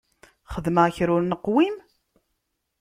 Xedmeɣ kra ur neqwim?